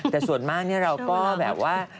แต่ส่วนมากเราก็แบบว่า